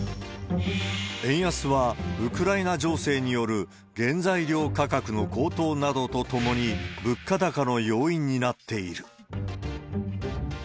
円安は、ウクライナ情勢による原材料価格の高騰などとともに、物価高の要因になっている。